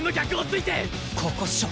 ここっしょ！